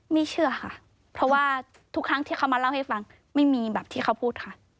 เชื่อค่ะเพราะว่าทุกครั้งที่เขามาเล่าให้ฟังไม่มีแบบที่เขาพูดค่ะ